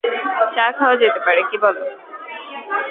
চা খাওয়া যেতে পারে, কি বল?